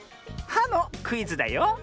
「は」のクイズだよ。